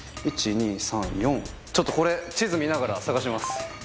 ちょっとこれ地図見ながら探します。